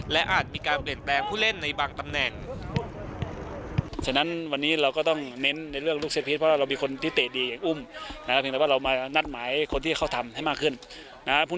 และอาจมีการเปลี่ยนแปลงผู้เล่นในบางตำแหน่ง